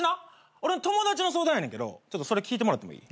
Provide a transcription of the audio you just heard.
俺の友達の相談やねんけどそれ聞いてもらってもいい？